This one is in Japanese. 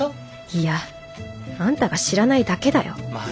いやあんたが知らないだけだよまあ